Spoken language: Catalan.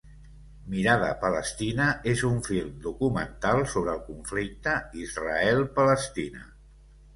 Mirada Palestina és un film documental sobre el conflicte Israel-Palestina.